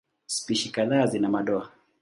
Spishi kadhaa zina madoa.